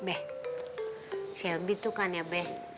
beh shelby tuh kan ya beh